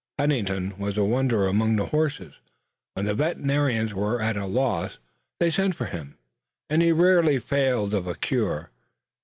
Pennington was a wonder among the horses. When the veterinarians were at a loss they sent for him and he rarely failed of a cure.